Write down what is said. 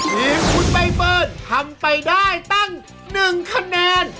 ทีมคุณใบเฟิร์นทำไปได้ตั้ง๑คะแนน